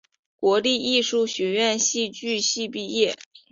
国立艺术学院戏剧系毕业。